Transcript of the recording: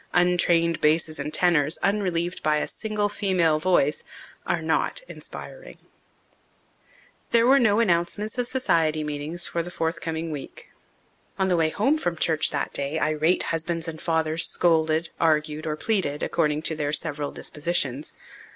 Untrained basses and tenors, unrelieved by a single female voice, are not inspiring. There were no announcements of society meetings for the forthcoming week. On the way home from church that day irate husbands and fathers scolded, argued, or pleaded, according to their several dispositions.